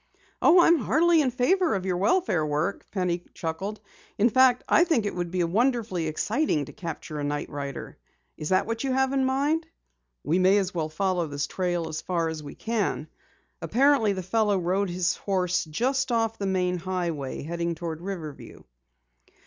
"Oh, I'm heartily in favor of your welfare work," Penny chuckled. "In fact, I think it would be wonderfully exciting to capture a night rider. Is that what you have in mind?" "We may as well follow this trail as far as we can. Apparently, the fellow rode his horse just off the main highway, heading toward Riverview."